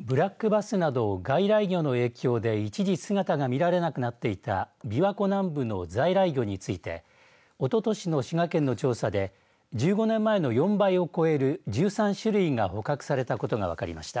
ブラックバスなどを外来魚の影響で一時姿が見られなくなっていたびわ湖南部の在来魚についておととしの滋賀県の調査で１５年前の４倍を超える１３種類が捕獲されたことが分かりました。